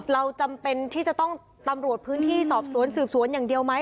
เราจำเป็นที่จะต้องตำรวจพื้นที่สอบสวนสืบสวนอย่างเดียวไหม